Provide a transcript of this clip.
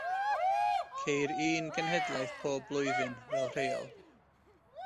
Ceir un genhedlaeth pob blwyddyn, fel rheol.